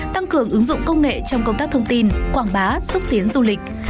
tăng cường ứng dụng công nghệ trong công tác thông tin quảng bá xúc tiến du lịch